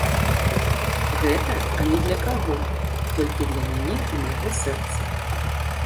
Гэта ані для каго, толькі для мяне і майго сэрца.